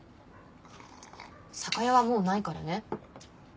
酒屋はもうないからね。